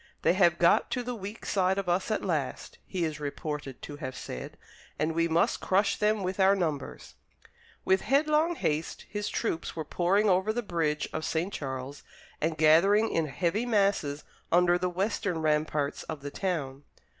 "They have got to the weak side of us at last," he is reported to have said, "and we must crush them with our numbers." With headlong haste his troops were pouring over the bridge of St. Charles, and gathering in heavy masses under the western ramparts of the town.